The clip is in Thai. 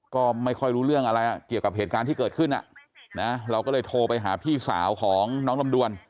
ก็ไม่ค่อยรู้เรื่องอะไรเกี่ยวกับเหตุการณ์ที่เกิดขึ้นเราก็เลยโทรไปหาพี่สาวของน้องลำดวน